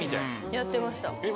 やってました。